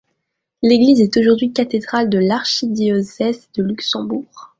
L’église est aujourd’hui cathédrale de l’archidiocèse de Luxembourg.